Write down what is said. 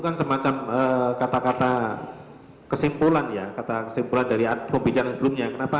kan semacam kata kata kesimpulan ya kata kesimpulan dari pembicaraan sebelumnya kenapa